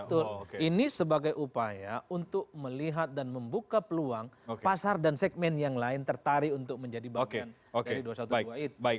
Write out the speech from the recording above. betul ini sebagai upaya untuk melihat dan membuka peluang pasar dan segmen yang lain tertarik untuk menjadi bagian dari dua ratus dua belas itu